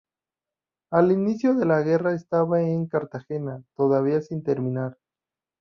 Al inicio de la guerra estaba en Cartagena todavía sin terminar.